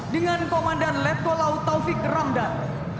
dengan komandan letko laut taufik ramdan